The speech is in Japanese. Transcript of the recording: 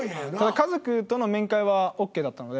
家族との面会はＯＫだったので。